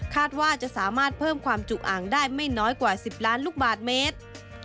ว่าจะสามารถเพิ่มความจุอ่างได้ไม่น้อยกว่า๑๐ล้านลูกบาทเมตร